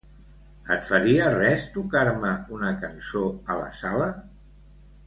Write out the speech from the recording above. Et faria res tocar-me una cançó a la sala?